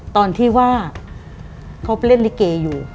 ตอนที่ว่าเขาไปเล่นลิเกอยู่